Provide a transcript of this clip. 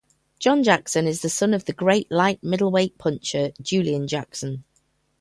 John Jackson is the son of the great light-middleweight puncher Julian Jackson.